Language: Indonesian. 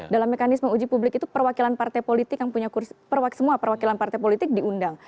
dalam mekanisme uji publik itu perwakilan partai politik yang punya semua perwakilan partai politik diundang